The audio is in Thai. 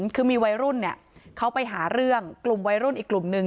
คือมีวัยรุ่นเขาไปหาเรื่องกลุ่มวัยรุ่นอีกกลุ่มนึง